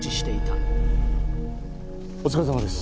お疲れさまです。